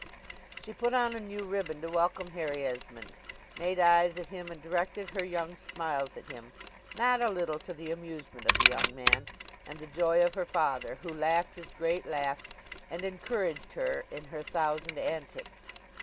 She put on a new ribbon to welcome Harry Esmond, made eyes at him, and directed her young smiles at him, not a little to the amusement of the young man, and the joy of her father, who laughed his great laugh, and encouraged her in her thousand antics.